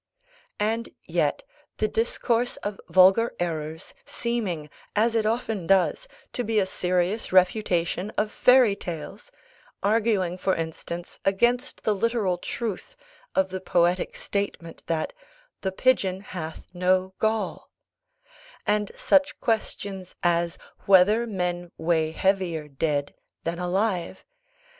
And yet the Discourse of Vulgar Errors, seeming, as it often does, to be a serious refutation of fairy tales arguing, for instance, against the literal truth of the poetic statement that "The pigeon hath no gall," and such questions as "Whether men weigh heavier dead than alive?"